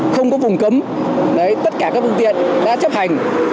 không có vùng cấm tất cả các phương tiện đã chấp hành